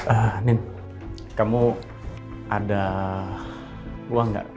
eee nin kamu ada uang gak